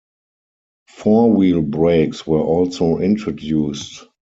Four-wheel brakes were also introduced.